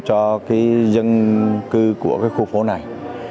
cho dân cư của khu phố này